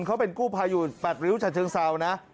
เขาเป็นกู้ภัยอยู่๘ริ้วฉะเชิงเซานะ